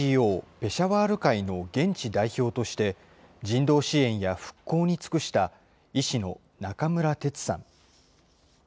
ペシャワール会の現地代表として、人道支援や復興に尽くした医師の中村哲さん。